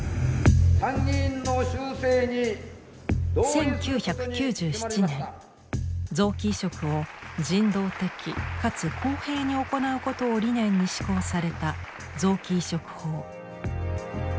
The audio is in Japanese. １９９７年臓器移植を人道的かつ公平に行うことを理念に施行された臓器移植法。